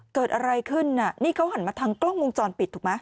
เกิดอะไรขึ้นน่ะนี่เขาหันมาทางกล้องวงจรปิดถูกไหม